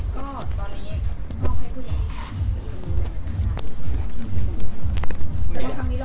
ก็ตอนนี้ก็ให้ผู้ใหญ่ได้การ